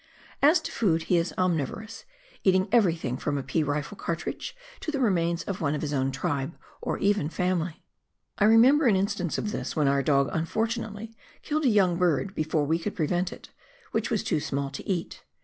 As to food, he is omnivorous, eating everything, from a pea rifle cartridge to the remains of one of his own tribe, or even family. I remember an instance of this when our dog unfortunately killed a young bird before we could prevent it, which was too small to eat.